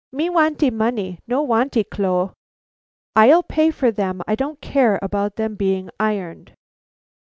"Me wantee money, no wantee clo'!" "I'll pay you for them; I don't care about them being ironed."